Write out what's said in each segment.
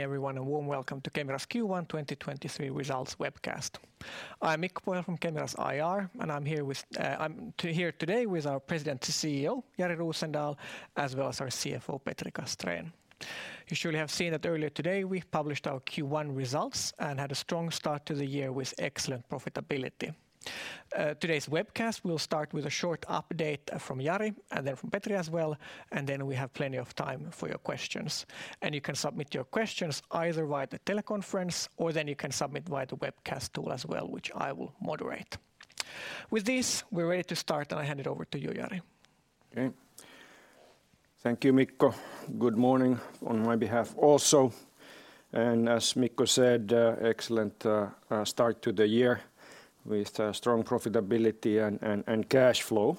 Everyone, a warm welcome to Kemira's Q1 2023 results webcast. I'm Mikko Pohjola from Kemira's IR, I'm here today with our President CEO, Jari Rosendal, as well as our CFO, Petri Castrén. You surely have seen that earlier today, we published our Q1 results and had a strong start to the year with excellent profitability. Today's webcast, we'll start with a short update from Jari and then from Petri as well. Then we have plenty of time for your questions. You can submit your questions either via the teleconference, or you can submit via the webcast tool as well, which I will moderate. With this, we're ready to start, I hand it over to you, Jari. Okay. Thank you, Mikko. Good morning on my behalf also. As Mikko said, excellent start to the year with strong profitability and cash flow.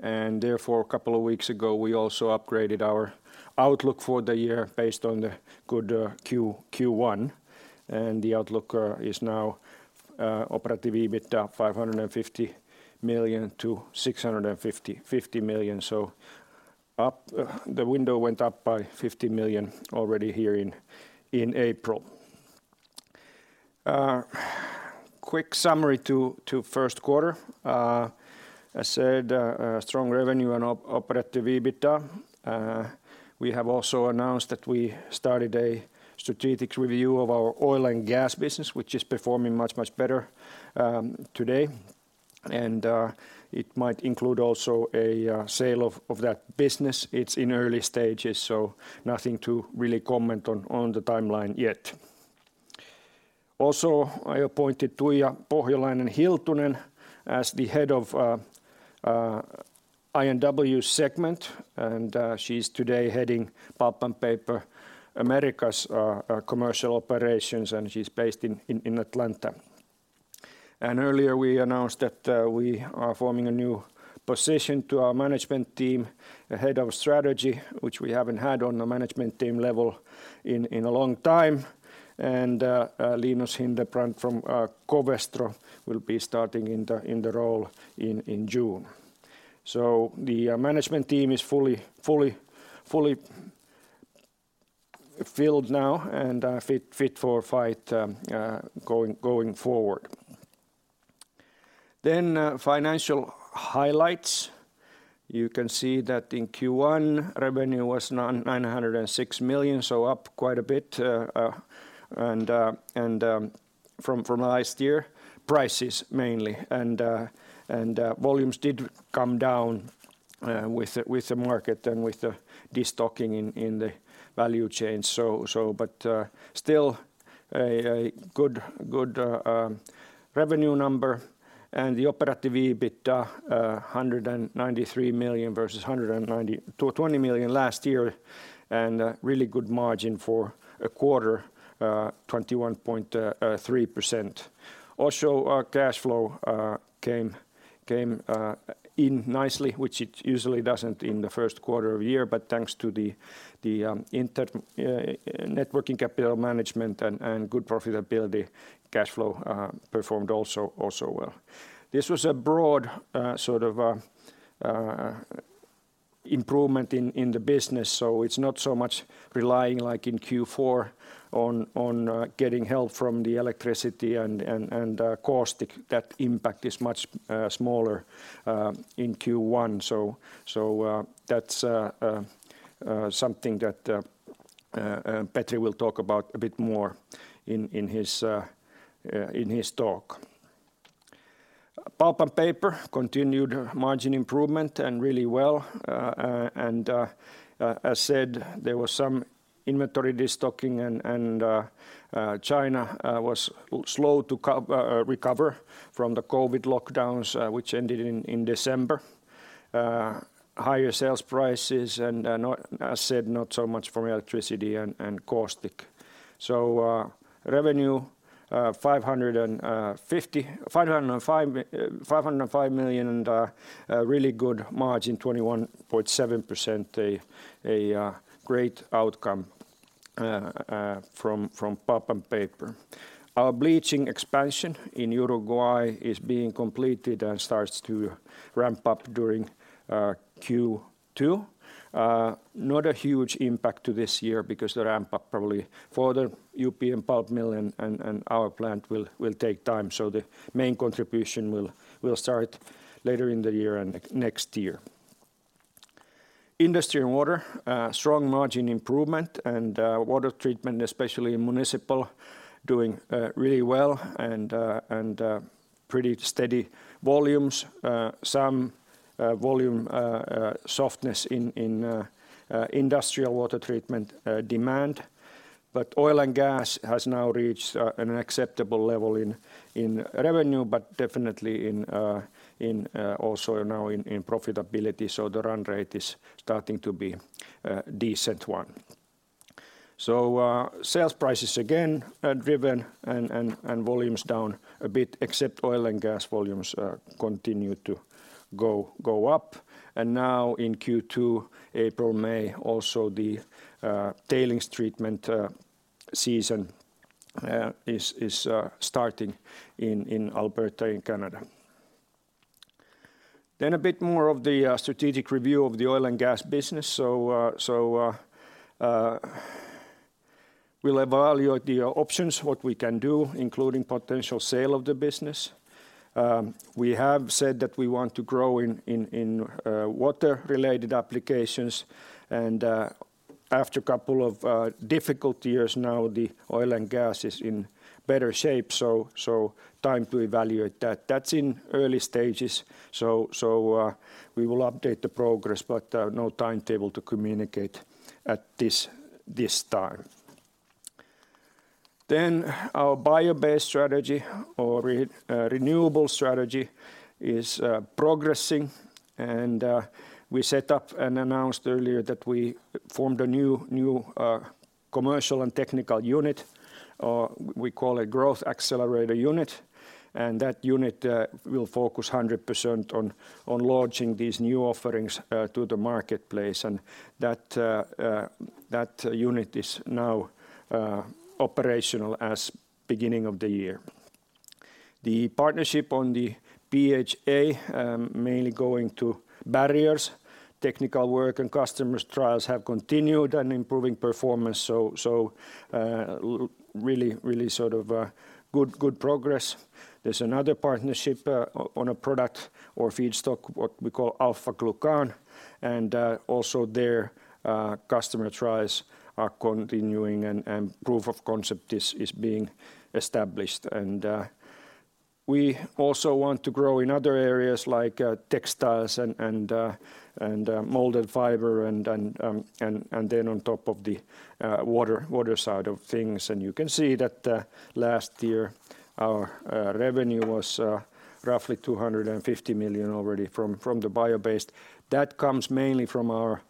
Therefore, a couple of weeks ago, we also upgraded our outlook for the year based on the good Q1, the outlook is now Operative EBITDA 550 million to 650 million. The window went up by 50 million already here in April. Quick summary to first quarter. As said, strong revenue and Operative EBITDA. We have also announced that we started a strategic review of our Oil & Gas business, which is performing much better today. It might include also a sale of that business. It's in early stages, so nothing to really comment on the timeline yet. Also, I appointed Tuija Pohjolainen-Hiltunen as the head of I&W segment, and she's today heading Pulp & Paper, Americas' commercial operations, and she's based in Atlanta. Earlier, we announced that we are forming a new position to our management team, a head of strategy, which we haven't had on the management team level in a long time, and Linus Hildebrandt from Covestro will be starting in the role in June. The management team is fully filled now and fit for fight going forward. Financial highlights. You can see that in Q1, revenue was 906 million, so up quite a bit, and from last year, prices mainly. Volumes did come down with the market and with the destocking in the value chain. But, still a good revenue number and the Operative EBITDA, 193 million versus 120 million last year and a really good margin for a quarter, 21.3%. Our cash flow came in nicely, which it usually doesn't in the first quarter of the year, but thanks to the networking capital management and good profitability, cash flow performed also well. This was a broad improvement in the business, so it's not so much relying like in Q4 on getting help from the electricity and caustic. That impact is much smaller in Q1. That's something that Petri will talk about a bit more in his talk. Pulp & Paper continued margin improvement and really well. As said, there was some inventory destocking and China was slow to recover from the COVID lockdowns, which ended in December. Higher sales prices and not, as said, not so much from electricity and caustic. Revenue EUR 505 million and a really good margin, 21.7%, a great outcome from Pulp & Paper. Our bleaching expansion in Uruguay is being completed and starts to ramp up during Q2. Not a huge impact to this year because the ramp up probably for the UPM pulp mill and our plant will take time. The main contribution will start later in the year and next year. Industry & Water, strong margin improvement and water treatment, especially municipal, doing really well and pretty steady volumes. Some volume softness in industrial water treatment demand. Oil & Gas has now reached an acceptable level in revenue, definitely in also now in profitability. The run rate is starting to be a decent one. Sales prices again are driven and and and volumes down a bit, except Oil & Gas volumes continue to go up. Now in Q2, April, May, also the tailings treatment season is starting in Alberta in Canada. A bit more of the strategic review of the Oil & Gas business. We'll evaluate the options, what we can do, including potential sale of the business. We have said that we want to grow in water-related applications after a couple of difficult years now, the Oil & Gas is in better shape, time to evaluate that. That's in early stages, we will update the progress, but no timetable to communicate at this time. Our bio-based strategy or renewable strategy is progressing and we set up and announced earlier that we formed a new commercial and technical unit, we call it Growth Accelerator unit, and that unit will focus 100% on launching these new offerings to the marketplace. That unit is now operational as beginning of the year. The partnership on the PHA, mainly going to barriers, technical work and customers trials have continued and improving performance, so, really sort of good progress. There's another partnership on a product or feedstock, what we call alpha-glucan. Also their customer trials are continuing and proof of concept is being established. We also want to grow in other areas like textiles and molded fiber and then on top of the water side of things. You can see that last year our revenue was roughly 250 million already from the bio-based. That comes mainly from our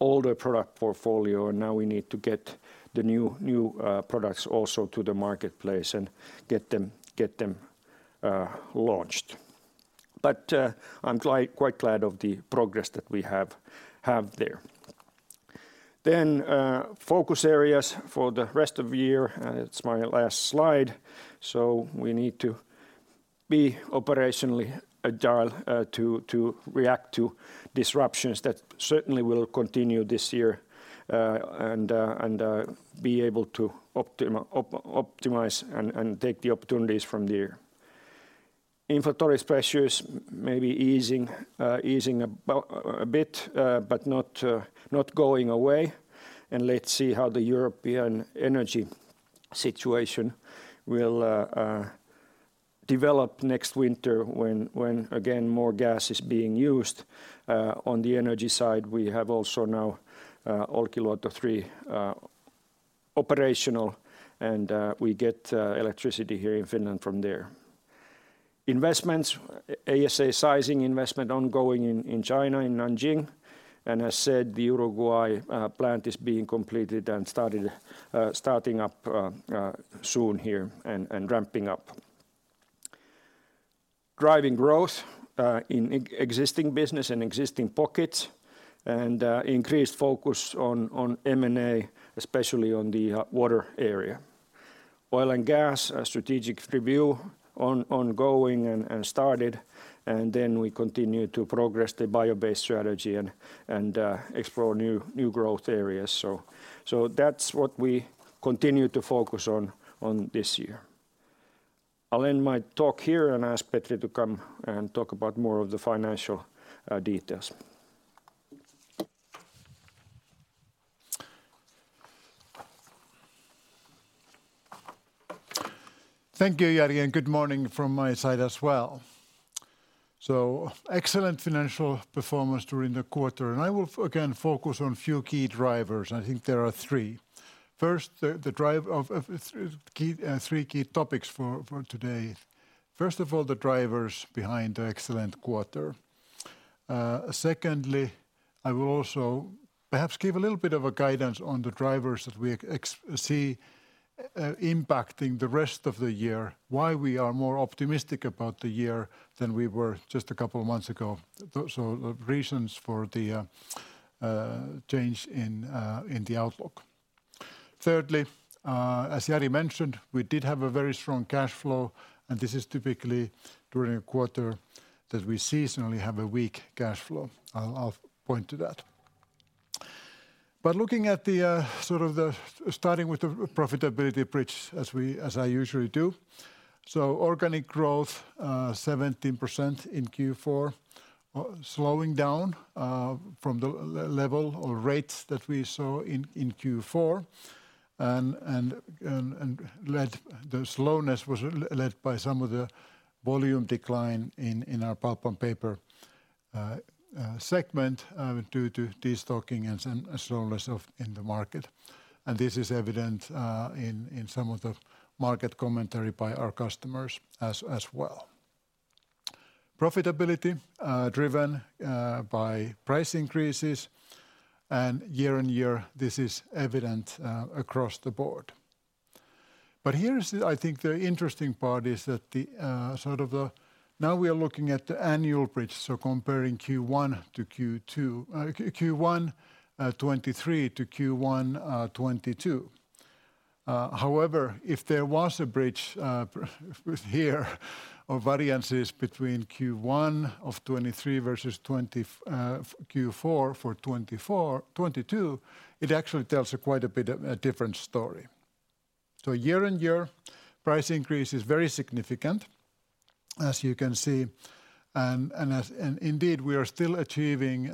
older product portfolio, and now we need to get the new products also to the marketplace and get them launched. I'm quite glad of the progress that we have there. Focus areas for the rest of the year, and it's my last slide. We need to be operationally agile to react to disruptions that certainly will continue this year and be able to optimize and take the opportunities from there. Inflation pressures maybe easing a bit, but not going away, and let's see how the European energy situation will develop next winter when again, more gas is being used. On the energy side, we have also now Olkiluoto 3 operational and we get electricity here in Finland from there. Investments, ASA sizing investment ongoing in China, in Nanjing, and as said, the Uruguay plant is being completed and started starting up soon here and ramping up. Driving growth in existing business and existing pockets and increased focus on M&A, especially on the water area. Oil & Gas, a strategic review ongoing and started. Then we continue to progress the bio-based strategy and explore new growth areas. That's what we continue to focus on this year. I'll end my talk here and ask Petri to come and talk about more of the financial details. Thank you, Jari, and good morning from my side as well. Excellent financial performance during the quarter, and I will again focus on few key drivers. I think there are three. First, the drive of key, 3 key topics for today. First of all, the drivers behind the excellent quarter. Secondly, I will also perhaps give a little bit of a guidance on the drivers that we see impacting the rest of the year, why we are more optimistic about the year than we were just a couple of months ago. The reasons for the change in the outlook. Thirdly, as Jari mentioned, we did have a very strong cash flow, and this is typically during a quarter that we seasonally have a weak cash flow. I'll point to that. Looking at the starting with the profitability bridge as we, as I usually do. Organic growth, 17% in Q4, slowing down from the level or rates that we saw in Q4 and led the slowness was led by some of the volume decline in our Pulp & Paper segment due to destocking and some slowness of in the market. This is evident in some of the market commentary by our customers as well. Profitability driven by price increases and year-on-year, this is evident across the board. Here is the I think the interesting part is that the.... We are looking at the annual bridge, comparing Q1 to Q2, Q1 2023 to Q1 2022. However, if there was a bridge of variances between Q1 of 2023 versus Q4 for 2024-2022, it actually tells a quite a bit different story. Year-on-year price increase is very significant, as you can see, and indeed, we are still achieving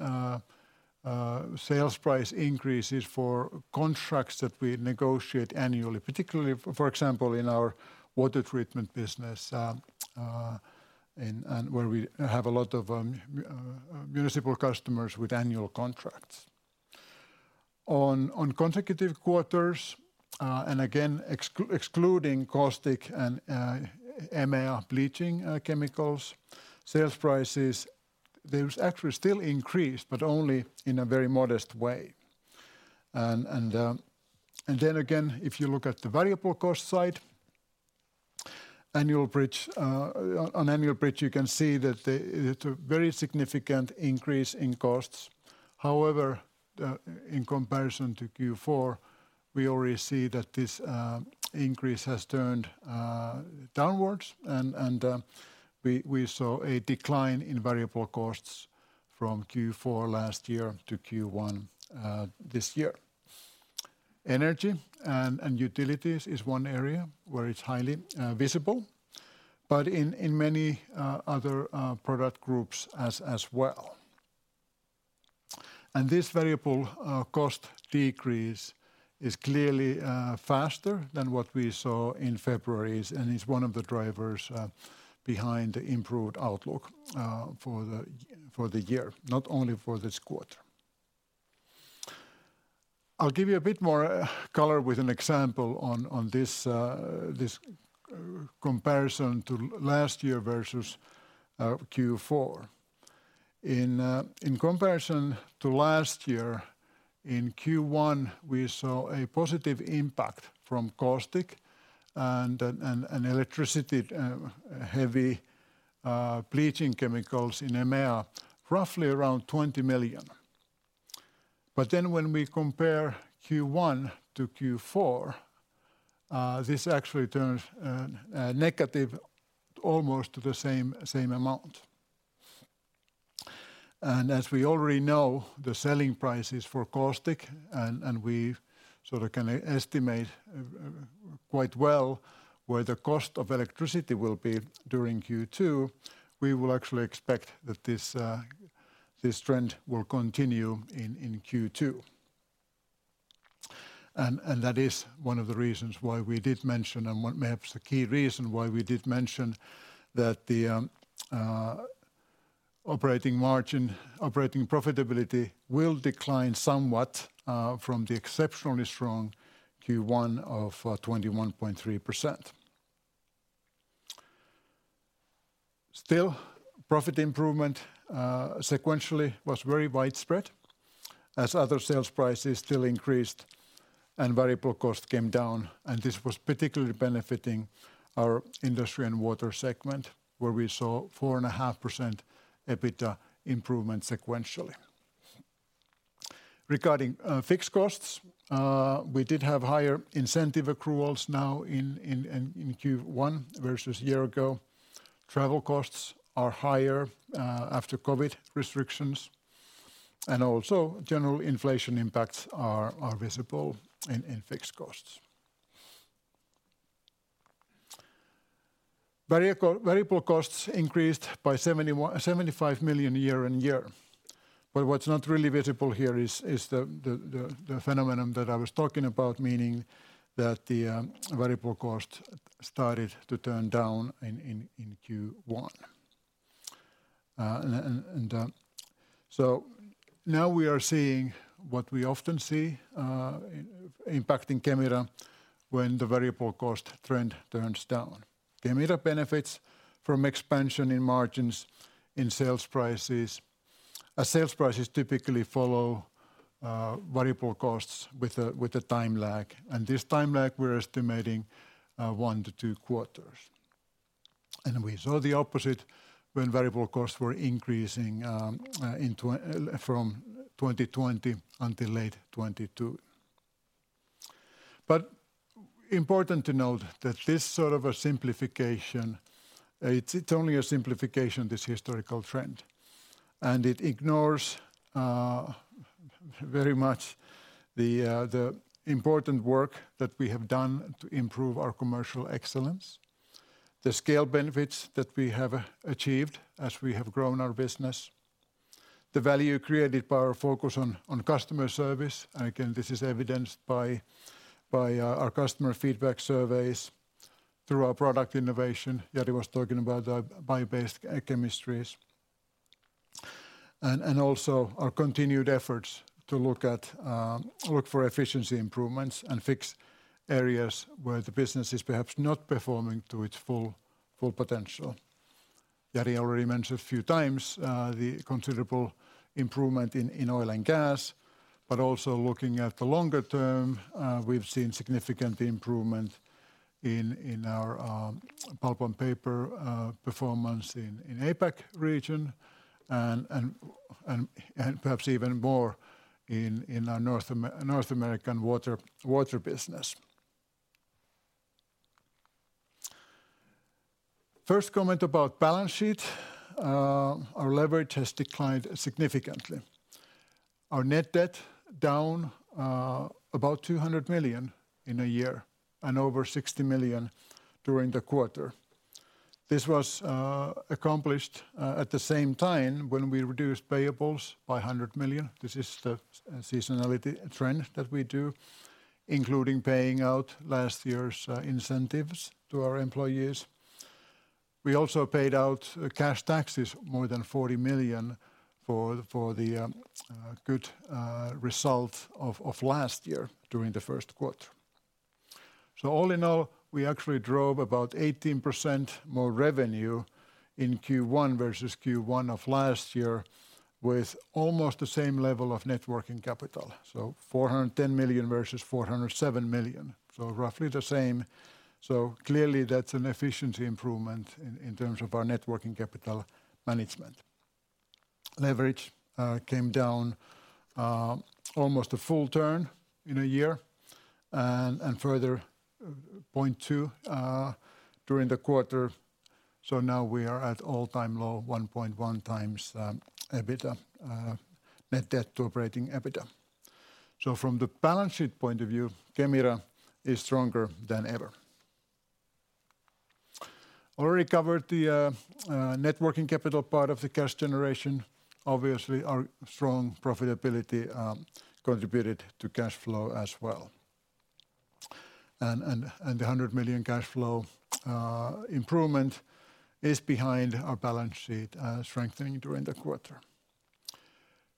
sales price increases for contracts that we negotiate annually, particularly for example, in our water treatment business, and where we have a lot of municipal customers with annual contracts. On consecutive quarters, and again, excluding caustic and EMEA bleaching chemicals, sales prices, they actually still increased, but only in a very modest way. Then again, if you look at the variable cost side, on annual bridge, you can see that it's a very significant increase in costs. However, in comparison to Q4, we already see that this increase has turned downwards and we saw a decline in variable costs from Q4 last year to Q1 this year. Energy and utilities is one area where it's highly visible, but in many other product groups as well. This variable cost decrease is clearly faster than what we saw in February's, and is one of the drivers behind the improved outlook for the year, not only for this quarter. I'll give you a bit more color with an example on this comparison to last year versus Q4. In comparison to last year, in Q1, we saw a positive impact from caustic and an electricity heavy bleaching chemicals in EMEA, roughly around 20 million. When we compare Q1 to Q4, this actually turns negative almost to the same amount. As we already know, the selling prices for caustic and we sort of can estimate quite well where the cost of electricity will be during Q2, we will actually expect that this trend will continue in Q2. That is one of the reasons why we did mention, and what may have the key reason why we did mention that the operating margin, operating profitability will decline somewhat from the exceptionally strong Q1 of 21.3%. Still, profit improvement sequentially was very widespread as other sales prices still increased and variable cost came down, and this was particularly benefiting our Industry & Water segment, where we saw 4.5% EBITDA improvement sequentially. Regarding fixed costs, we did have higher incentive accruals now in Q1 versus year ago. Travel costs are higher after COVID restrictions, and also general inflation impacts are visible in fixed costs. Variable costs increased by 75 million year-on-year, but what's not really visible here is the phenomenon that I was talking about, meaning that the variable cost started to turn down in Q1. Now we are seeing what we often see impacting Kemira when the variable cost trend turns down. Kemira benefits from expansion in margins in sales prices as sales prices typically follow variable costs with a time lag, and this time lag, we're estimating 1 to 2 quarters. We saw the opposite when variable costs were increasing from 2020 until late 2022. Important to note that this sort of a simplification, it's only a simplification, this historical trend, and it ignores very much the important work that we have done to improve our commercial excellence, the scale benefits that we have achieved as we have grown our business, the value created by our focus on customer service, and again, this is evidenced by our customer feedback surveys through our product innovation. Jari was talking about the bio-based chemistries. Also our continued efforts to look at look for efficiency improvements and fix areas where the business is perhaps not performing to its full potential. Jari already mentioned a few times, the considerable improvement in Oil & Gas, but also looking at the longer term, we've seen significant improvement in our Pulp & Paper performance in APAC region and perhaps even more in our North American water business. First comment about balance sheet. Our leverage has declined significantly. Our net debt down about 200 million in a year and over 60 million during the quarter. This was accomplished at the same time when we reduced payables by 100 million. This is the seasonality trend that we do, including paying out last year's incentives to our employees. We also paid out cash taxes more than 40 million for the good result of last year during the first quarter. All in all, we actually drove about 18% more revenue in Q1 versus Q1 of last year with almost the same level of net working capital. 410 million versus 407 million, so roughly the same. Leverage came down almost a full turn in a year and further 0.02 during the quarter. Now we are at all-time low 1.1x EBITDA net debt to Operative EBITDA. From the balance sheet point of view, Kemira is stronger than ever. Already covered the net working capital part of the cash generation. Obviously, our strong profitability contributed to cash flow as well. The 100 million cash flow improvement is behind our balance sheet strengthening during the quarter.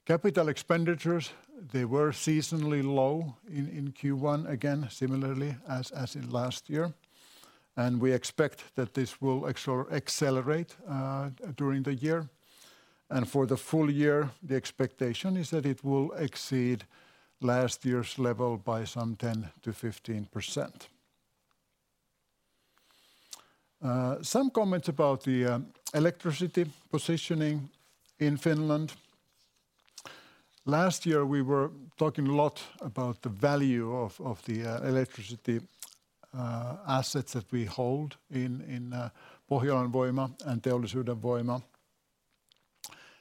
Capital expenditures, they were seasonally low in Q1, again, similarly as in last year. We expect that this will accelerate during the year. For the full year, the expectation is that it will exceed last year's level by some 10%-15%. Some comments about the electricity positioning in Finland. Last year, we were talking a lot about the value of the electricity assets that we hold in Pohjan Voima and Teollisuuden Voima.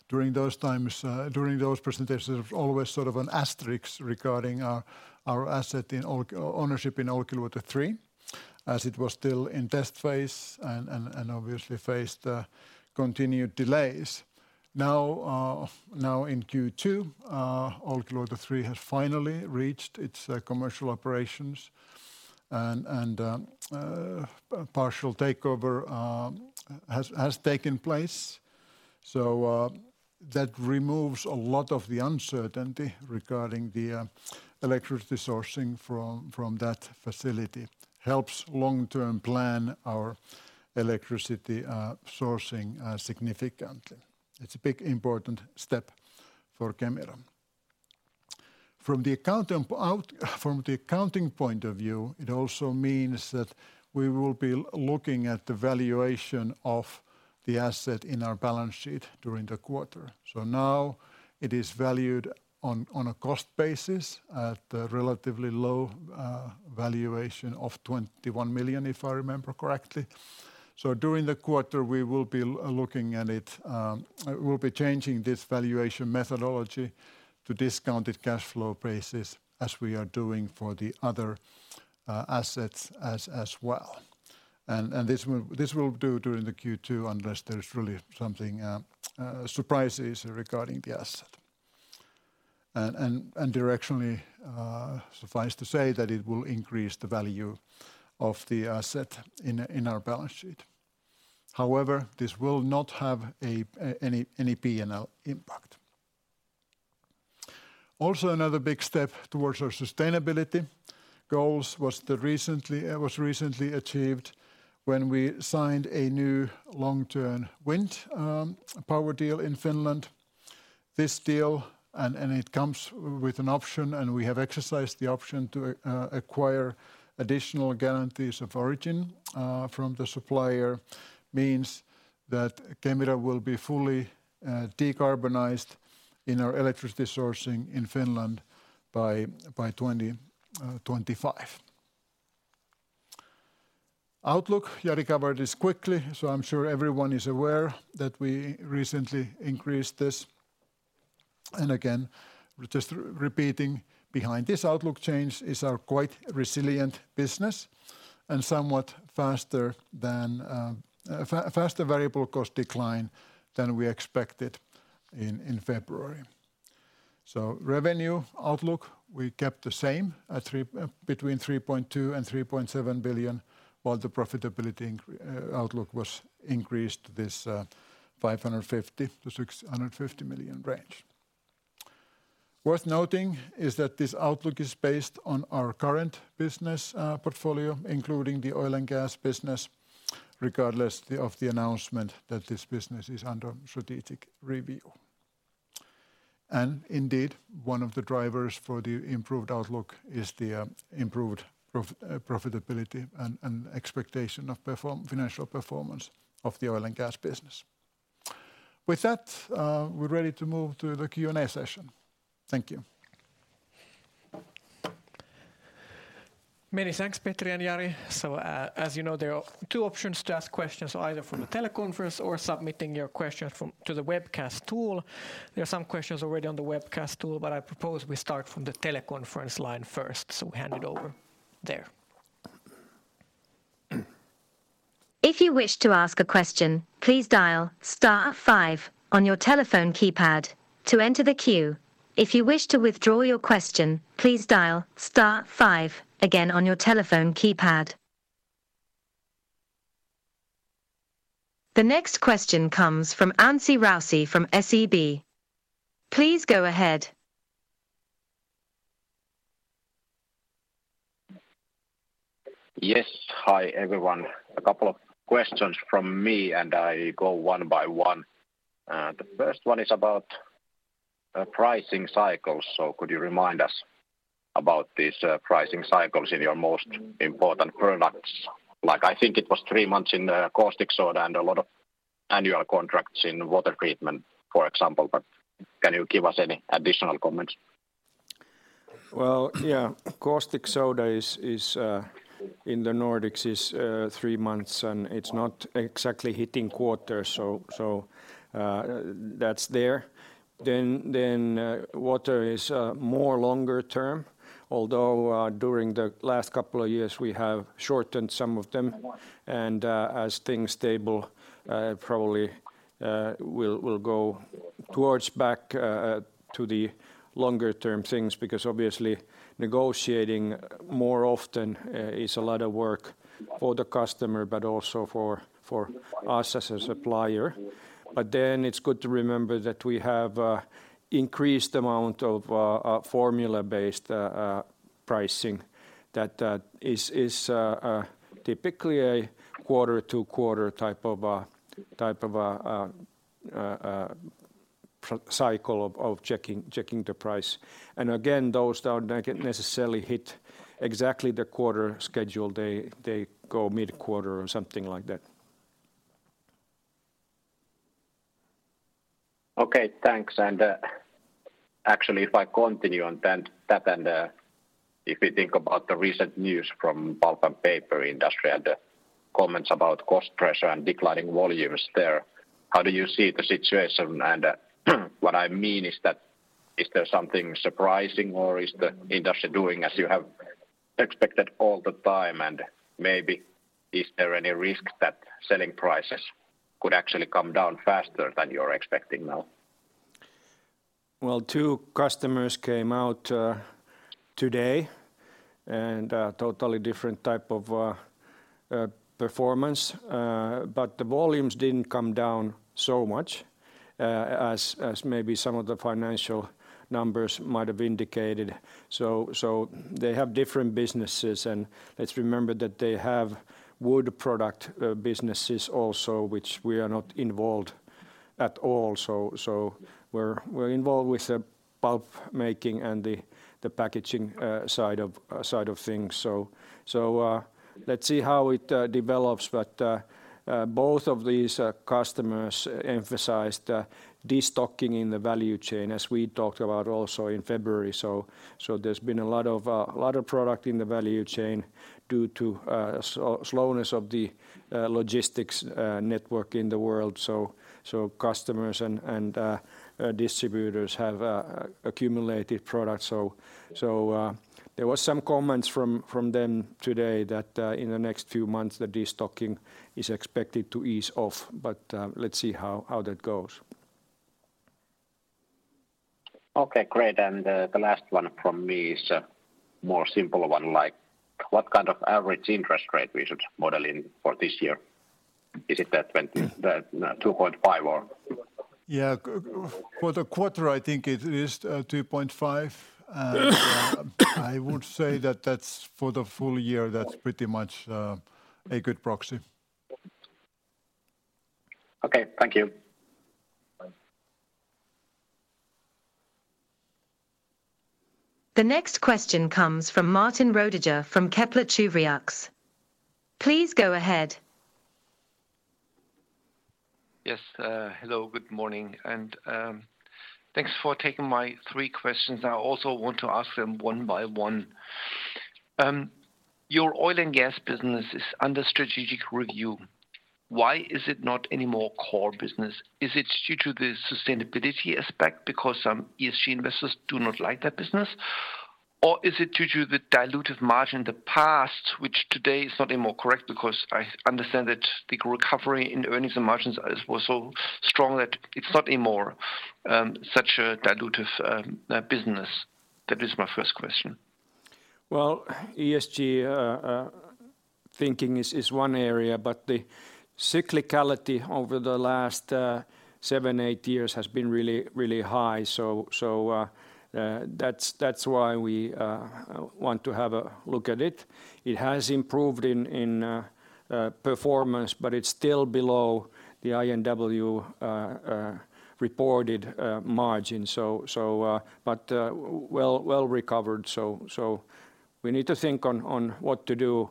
During those times, during those presentations, there was always sort of an asterisk regarding our asset ownership in Olkiluoto 3, as it was still in test phase and obviously faced continued delays. In Q2, Olkiluoto 3 has finally reached its commercial operations and partial takeover has taken place. That removes a lot of the uncertainty regarding the electricity sourcing from that facility. Helps long-term plan our electricity sourcing significantly. It's a big important step for Kemira. From the accounting point of view, it also means that we will be looking at the valuation of the asset in our balance sheet during the quarter. Now it is valued on a cost basis at a relatively low valuation of 21 million, if I remember correctly. During the quarter, we will be looking at it, we'll be changing this valuation methodology to discounted cash flow basis as we are doing for the other assets as well. This will do during the Q2 unless there's really something surprises regarding the asset. Directionally, suffice to say that it will increase the value of the asset in our balance sheet. However, this will not have any P&L impact. Also, another big step towards our sustainability goals was recently achieved when we signed a new long-term wind power deal in Finland. This deal, and it comes with an option, and we have exercised the option to acquire additional guarantees of origin from the supplier, means that Kemira will be fully decarbonized in our electricity sourcing in Finland by 2025. Outlook, Jari covered this quickly, so I'm sure everyone is aware that we recently increased this. Again, just repeating behind this outlook change is our quite resilient business and somewhat faster than faster variable cost decline than we expected in February. Revenue outlook, we kept the same at between 3.2 billion and 3.7 billion, while the profitability outlook was increased this 550 million-650 million range. Worth noting is that this outlook is based on our current business portfolio, including the Oil & Gas business, regardless of the announcement that this business is under strategic review. Indeed, one of the drivers for the improved outlook is the improved profitability and expectation of financial performance of the Oil & Gas business. With that, we're ready to move to the Q&A session. Thank you. Many thanks, Petri and Jari. As you know, there are two options to ask questions, either from the teleconference or submitting your questions to the webcast tool. There are some questions already on the webcast tool, but I propose we start from the teleconference line first. Hand it over there. If you wish to ask a question, please dial star five on your telephone keypad to enter the queue. If you wish to withdraw your question, please dial star five again on your telephone keypad. The next question comes from Anssi Raussi from SEB. Please go ahead. Yes. Hi, everyone. A couple of questions from me, and I go one by one. The first one is about pricing cycles. Could you remind us about these pricing cycles in your most important products? Like, I think it was 3 months in the caustic soda and a lot of annual contracts in water treatment, for example. Can you give us any additional comments? Well, yeah. Caustic soda is in the Nordics is three months, and it's not exactly hitting quarters. That's there. Water is more longer term, although during the last couple of years we have shortened some of them. As things stable, probably we'll go towards back to the longer term things, because obviously negotiating more often is a lot of work for the customer but also for us as a supplier. It's good to remember that we have increased amount of formula-based pricing that is typically a quarter-to-quarter type of cycle of checking the price. Those don't necessarily hit exactly the quarter schedule. They go mid-quarter or something like that. Okay, thanks. Actually, if I continue on then that, if we think about the recent news from Pulp & Paper industry and the comments about cost pressure and declining volumes there, how do you see the situation? What I mean is that, is there something surprising or is the industry doing as you have expected all the time? Maybe is there any risk that selling prices could actually come down faster than you're expecting now? Two customers came out today and totally different type of performance. The volumes didn't come down so much as maybe some of the financial numbers might have indicated. They have different businesses, and let's remember that they have wood product businesses also, which we are not involved at all. We're involved with the pulp making and the packaging side of things. Let's see how it develops. Both of these customers emphasized destocking in the value chain as we talked about also in February. There's been a lot of product in the value chain due to slowness of the logistics network in the world. Customers and distributors have accumulated products. There was some comments from them today that in the next few months the destocking is expected to ease off. Let's see how that goes. Okay, great. The last one from me is a more simple one. Like, what kind of average interest rate we should model in for this year? Is it 2.5%, or? Yeah. For the quarter, I think it is 2.5%. I would say that that's for the full year, that's pretty much a good proxy. Okay. Thank you. The next question comes from Martin Roediger from Kepler Cheuvreux. Please go ahead. Yes, hello. Good morning. Thanks for taking my three questions. I also want to ask them one by one. Your Oil & Gas business is under strategic review. Why is it not any more core business? Is it due to the sustainability aspect because some ESG investors do not like that business or is it due to the dilutive margin in the past, which today is not any more correct because I understand that the recovery in earnings and margins was so strong that it's not any more such a dilutive business? That is my first question. ESG thinking is one area, but the cyclicality over the last seven, eight years has been really, really high. That's why we want to have a look at it. It has improved in performance, but it's still below the INW reported margin. But well recovered. We need to think on what to do.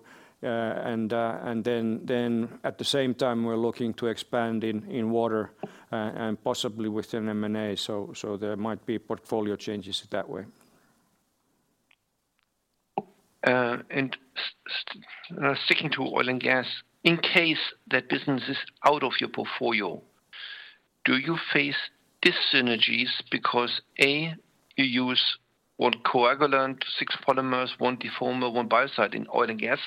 Then at the same time we're looking to expand in water and possibly with an M&A. There might be portfolio changes that way. Sticking to Oil & Gas, in case that business is out of your portfolio, do you face dyssynergies because, A, you use 1 coagulant, 6 polymers, 1 defoamer, 1 biocide in Oil & Gas,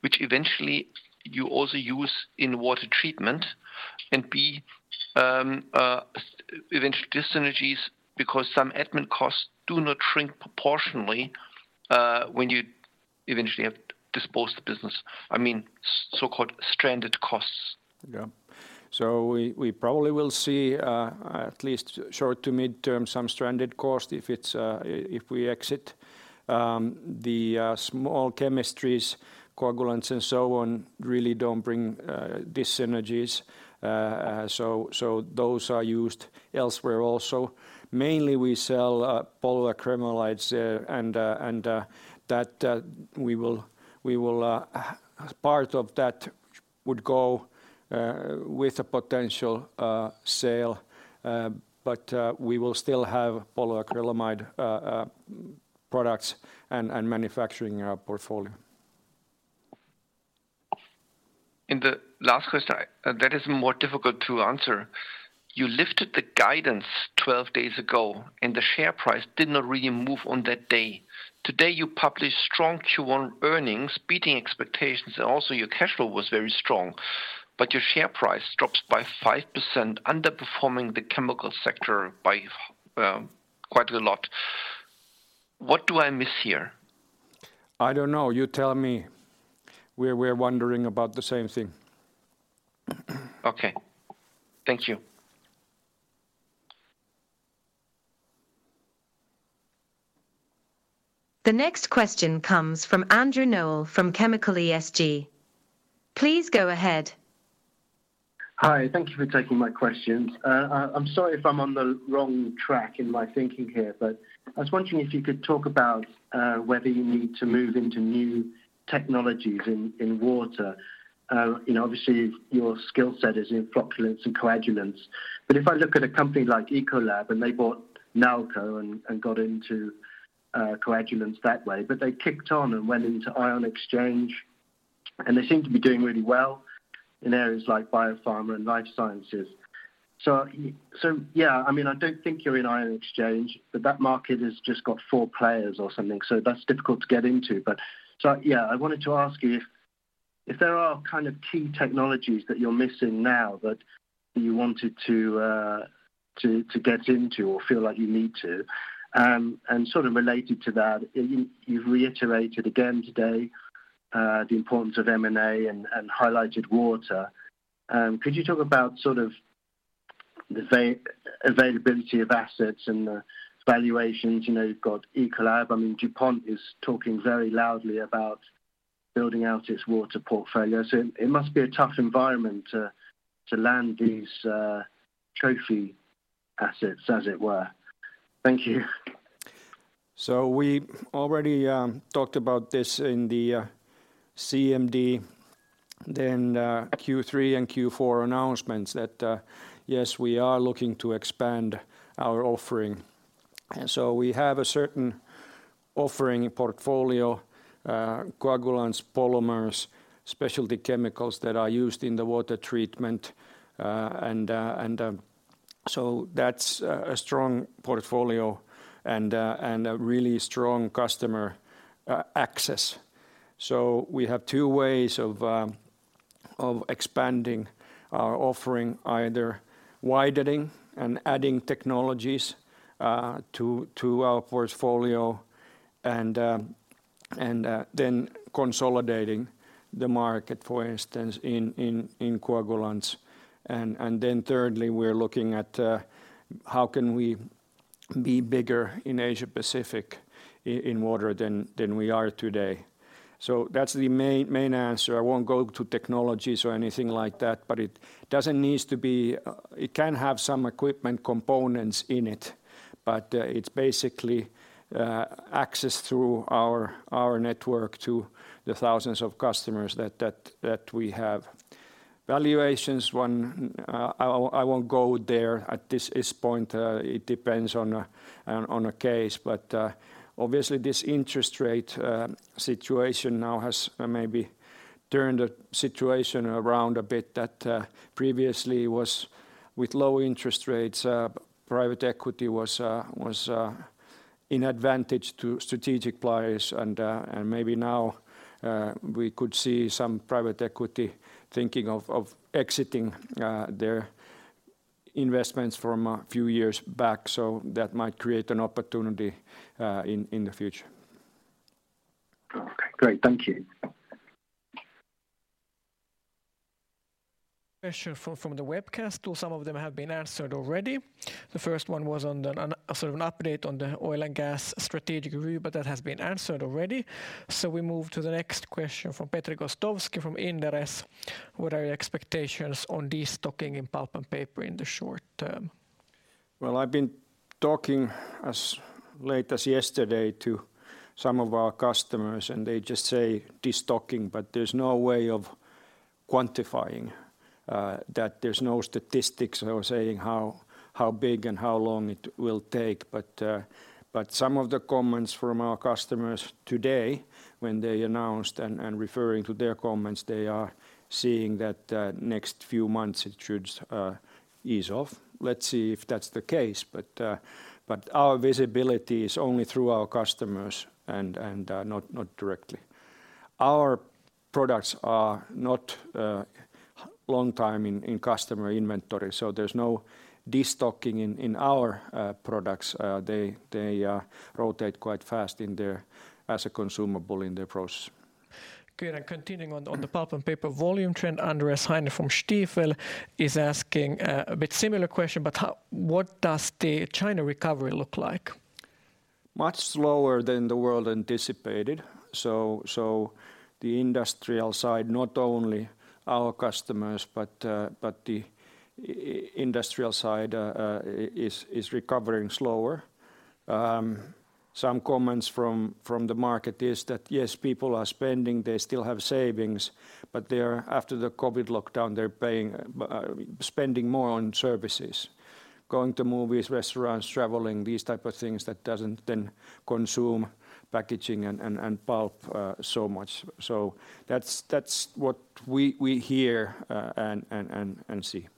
which eventually you also use in water treatment, and B, eventually dyssynergies because some admin costs do not shrink proportionally, when you eventually have disposed the business, I mean, so-called stranded costs? We probably will see, at least short to mid-term, some stranded cost if it's if we exit. The small chemistries, coagulants and so on really don't bring dyssynergies. Those are used elsewhere also. Mainly we sell polyacrylamides, and that we will part of that would go with a potential sale. We will still have polyacrylamide products and manufacturing portfolio. The last question, that is more difficult to answer. You lifted the guidance 12 days ago, and the share price did not really move on that day. Today, you published strong Q1 earnings, beating expectations, and also your cash flow was very strong, but your share price drops by 5%, underperforming the chemical sector by quite a lot. What do I miss here? I don't know. You tell me. We're wondering about the same thing. Okay. Thank you. The next question comes from Andrew Noel from chemicalESG. Please go ahead. Hi. Thank you for taking my questions. I'm sorry if I'm on the wrong track in my thinking here, but I was wondering if you could talk about whether you need to move into new technologies in water. You know, obviously your skill set is in flocculants and coagulants. If I look at a company like Ecolab, and they bought Nalco and got into coagulants that way, but they kicked on and went into ion exchange, and they seem to be doing really well in areas like biopharma and life sciences. Yeah, I mean, I don't think you're in ion exchange, but that market has just got four players or something, so that's difficult to get into. Yeah, I wanted to ask you if there are kind of key technologies that you're missing now that you wanted to get into or feel like you need to. Sort of related to that, you've reiterated again today, the importance of M&A and highlighted water. Could you talk about sort of the availability of assets and the valuations? You know, you've got Ecolab. I mean, DuPont is talking very loudly about building out its water portfolio. It must be a tough environment to land these trophy assets, as it were. Thank you. We already talked about this in the CMD, then Q3 and Q4 announcements that, yes, we are looking to expand our offering. We have a certain offering portfolio, coagulants, polymers, specialty chemicals that are used in the water treatment. That's a strong portfolio and a really strong customer access. We have two ways of expanding our offering, either widening and adding technologies to our portfolio and then consolidating the market, for instance, in coagulants. Thirdly, we're looking at how can we be bigger in Asia-Pacific in water than we are today. That's the main answer. I won't go to technologies or anything like that, but it doesn't need to be... It can have some equipment components in it, but it's basically access through our network to the thousands of customers that we have. Valuations, one, I won't go there at this point. It depends on a case. Obviously this interest rate situation now has maybe turned the situation around a bit that previously was with low interest rates, private equity was in advantage to strategic players. Maybe now we could see some private equity thinking of exiting their investments from a few years back. That might create an opportunity in the future. Okay. Great. Thank you. Question from the webcast tool. Some of them have been answered already. The first one was on a sort of an update on the Oil & Gas strategic review, but that has been answered already. We move to the next question from Petri Gostowski from Inderes. What are your expectations on destocking in Pulp & Paper in the short term? I've been talking as late as yesterday to some of our customers, and they just say destocking, but there's no way of quantifying that there's no statistics or saying how big and how long it will take. Some of the comments from our customers today when they announced and referring to their comments, they are seeing that next few months it should ease off. Let's see if that's the case. Our visibility is only through our customers and not directly. Our products are not long time in customer inventory, there's no destocking in our products. They rotate quite fast in their as a consumable in their process. Good. Continuing on the Pulp & Paper volume trend, Andreas Heine from Stifel is asking, a bit similar question, what does the China recovery look like? Much slower than the world anticipated. The industrial side, not only our customers but the industrial side, is recovering slower. Some comments from the market is that, yes, people are spending, they still have savings, but they are after the COVID lockdown, they're spending more on services, going to movies, restaurants, traveling, these type of things that doesn't then consume packaging and pulp, so much. That's what we hear, and see.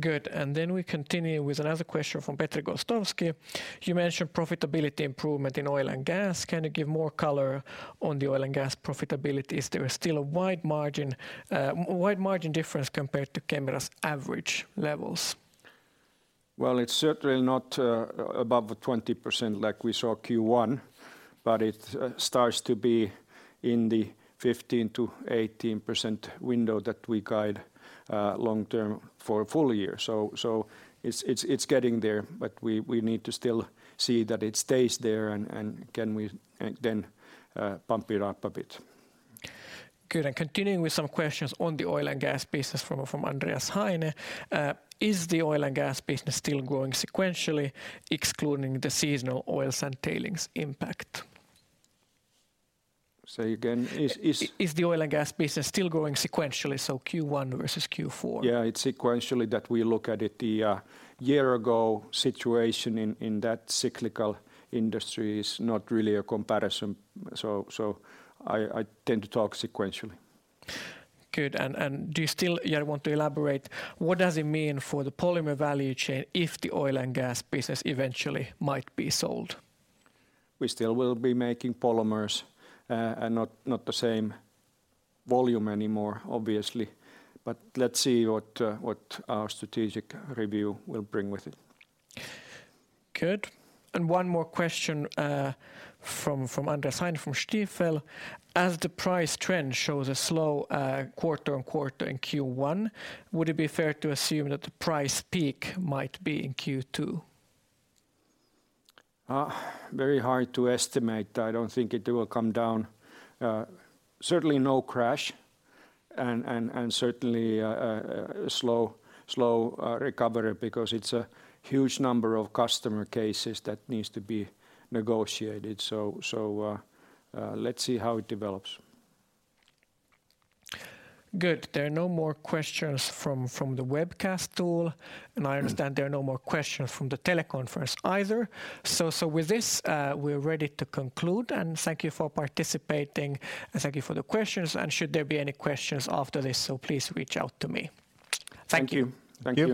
Good. We continue with another question from Petri Gostowski. You mentioned profitability improvement in Oil & Gas. Can you give more color on the Oil & Gas profitability? Is there still a wide margin difference compared to Kemira's average levels? It's certainly not, above 20% like we saw Q1, but it starts to be in the 15%-18% window that we guide, long term for a full year. It's getting there, but we need to still see that it stays there and can we, then, pump it up a bit. Good. Continuing with some questions on the oil and gas business from Andreas Heine. Is the oil and gas business still growing sequentially, excluding the seasonal oils and tailings impact? Say again. Is the Oil & Gas business still growing sequentially, so Q1 versus Q4? Yeah. It's sequentially that we look at it. The year ago situation in that cyclical industry is not really a comparison, so I tend to talk sequentially. Good. Do you still, Jari, want to elaborate what does it mean for the polymer value chain if the Oil & Gas business eventually might be sold? We still will be making polymers, and not the same volume anymore, obviously. Let's see what our strategic review will bring with it. Good. One more question, from Andreas Heine from Stifel. As the price trend shows a slow, quarter-on-quarter in Q1, would it be fair to assume that the price peak might be in Q2? Very hard to estimate. I don't think it will come down. Certainly no crash and certainly a slow recovery because it's a huge number of customer cases that needs to be negotiated. Let's see how it develops. Good. There are no more questions from the webcast tool. I understand there are no more questions from the teleconference either. With this, we're ready to conclude, and thank you for participating, and thank you for the questions. Should there be any questions after this, so please reach out to me. Thank you. Thank you.